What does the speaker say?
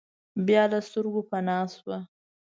بیا له سترګو پناه شوه.